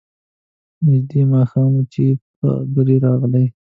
نژدې ماښام وو چي پادري راغلی.